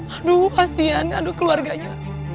aduh kasihan aduh keluarganya